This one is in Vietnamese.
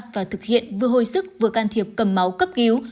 và thực hiện vừa hồi sức vừa can thiệp cầm máu cấp cứu